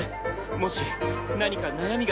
もし何か悩みがあるのなら。